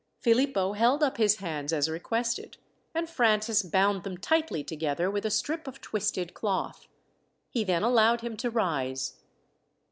Philippo held up his hands as requested, and Francis bound them tightly together with a strip of twisted cloth. He then allowed him to rise.